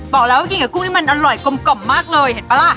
บอกแล้วกินกับกุ้งี้มันอร่อยกลมมากเลยเห็นป่ะล่ะ